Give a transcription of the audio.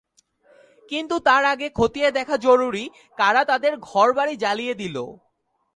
কিন্তু তার আগে খতিয়ে দেখা জরুরি, কারা তাদের ঘরবাড়ি জ্বালিয়ে দিল।